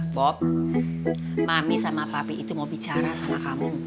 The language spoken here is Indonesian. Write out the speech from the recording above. bob mami sama papi itu mau bicara sama kamu